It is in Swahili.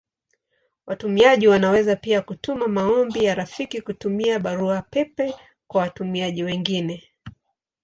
Watumiaji wanaweza pia kutuma maombi ya rafiki kutumia Barua pepe kwa watumiaji wengine.